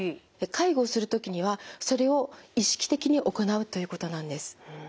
介護するときにはそれを意識的に行うということなんです。